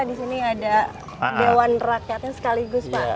di sini ada dewan rakyatnya sekaligus pak